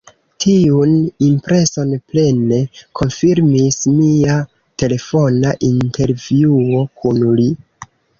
Tiun impreson plene konfirmis mia telefona intervjuo kun li.